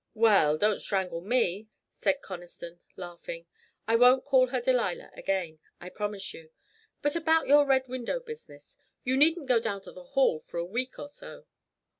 "Well, don't strangle me," said Conniston, laughing. "I won't call her Delilah again, I promise you. But about your Red Window business you needn't go down to the Hall for a week or so."